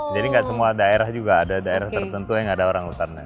jadi gak semua daerah juga ada daerah tertentu yang ada orang utannya